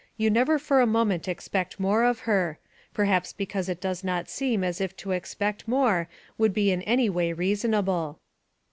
you never for a moment expect more of her perhaps because it does not seem as if to expect more would be in any way reasonable.